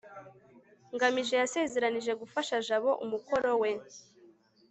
ngamije yasezeranije gufasha jabo umukoro we